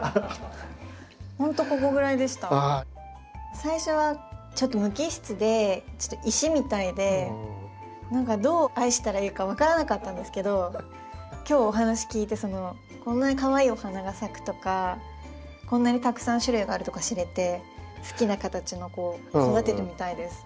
最初はちょっと無機質でちょっと石みたいで何かどう愛したらいいか分からなかったんですけど今日お話聞いてこんなにかわいいお花が咲くとかこんなにたくさん種類があるとか知れて好きな形の子を育ててみたいです。